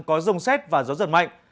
có rông xét và gió giật mạnh